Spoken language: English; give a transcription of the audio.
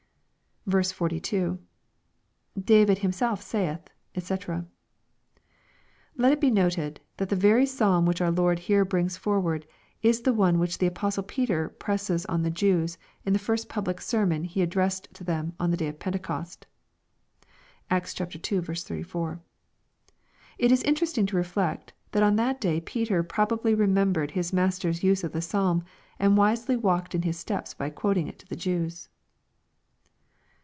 42. — [David himself saiih, <j^c.] Let it be noted, that the very Psalm which our Lord here brings forward is the one which the apostle Peter presses on the Jews, in the first public sermon he addresses to them on the day of Pentecost, (^cts ii, 34.) It is interesting to reflect, that on that day Peter probably remembered his Mas ter's use of the Psalm, and wisely walked in His steps by quoting it to the Jews.